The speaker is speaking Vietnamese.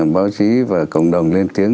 báo chí và cộng đồng lên tiếng